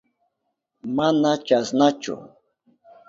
Mana chasnachu.